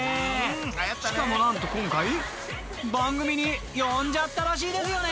［しかも何と今回番組に呼んじゃったらしいですよね］